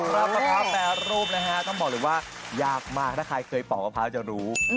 มะพร้าแปรรูปนะฮะต้องบอกเลยว่ายากมากถ้าใครเคยปอกมะพร้าวจะรู้